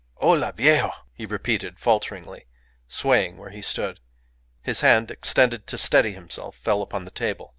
"Ola! viejo!" he repeated, falteringly, swaying where he stood. His hand, extended to steady himself, fell upon the table.